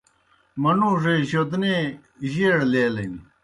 منُوڙے جودنے جیئر لیلِن۔